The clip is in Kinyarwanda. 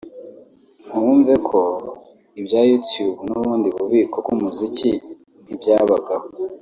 wumve ko ibya YouTube n’ubundi bubiko bw’umuziki ntibyabagaho